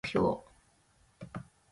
持続可能な開発目標